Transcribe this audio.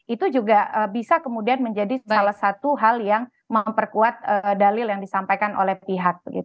itu juga bisa kemudian menjadi salah satu hal yang memperkuat dalil yang disampaikan oleh pihak